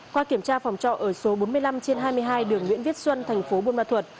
qua kiểm tra phòng trọ ở số bốn mươi năm trên hai mươi hai đường nguyễn viết xuân thành phố buôn ma thuật